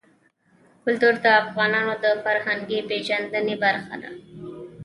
کلتور د افغانانو د فرهنګي پیژندنې برخه ده.